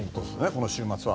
この週末は。